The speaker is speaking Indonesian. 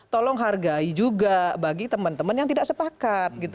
tolong hargai juga bagi teman teman yang tidak sepakat